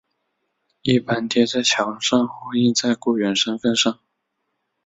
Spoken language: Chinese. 一般贴在墙上或印在雇员身份上。